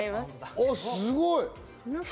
すごい！